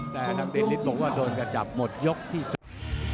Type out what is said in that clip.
แต่ถังติดนิดหนึ่งว่าโดนกระจับหมดยกที่สอง